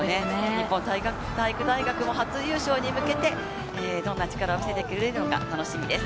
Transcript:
日本体育大学も初優勝に向けて、どんな力を見せてくれるのか楽しみです。